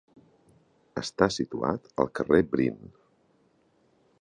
Està situat al carrer Bryn.